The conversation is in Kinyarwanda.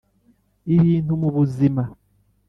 ibintu mubuzima